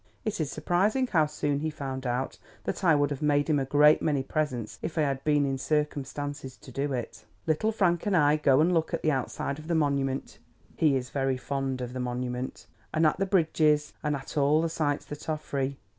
It is surprising how soon he found out that I would have made him a great many presents if I had been in circumstances to do it. Little Frank and I go and look at the outside of the Monument—he is very fond of the Monument—and at the Bridges, and at all the sights that are free.